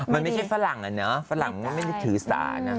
มันไม่ใช่ฝรั่งอะเนาะฝรั่งมันไม่ได้ถือสานะ